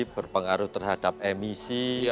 berpengaruh terhadap emisi